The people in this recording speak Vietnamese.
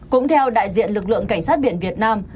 cũng theo đại diện lực lượng cảnh sát biển việt nam